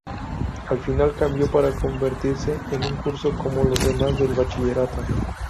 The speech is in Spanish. Al final cambió para convertirse en un curso como los demás del Bachillerato.